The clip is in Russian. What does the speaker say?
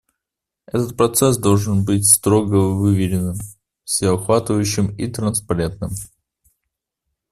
Этот процесс должен быть строго выверенным, всеохватывающим и транспарентным.